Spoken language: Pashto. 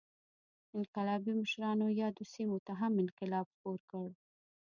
انقلابي مشرانو یادو سیمو ته هم انقلاب خپور کړ.